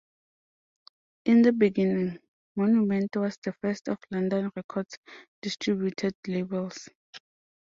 In the beginning, Monument was the first of London Records distributed labels.